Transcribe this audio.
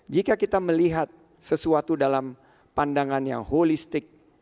jika kita melihat sesuatu dalam pandangan yang holistik